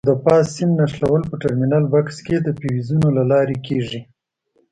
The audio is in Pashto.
د فاز سیم نښلول په ټرمینل بکس کې د فیوزونو له لارې کېږي.